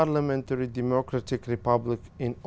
khi ông ấy đến gặp hồ chí minh